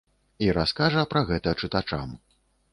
І раскажа пра гэта чытачам.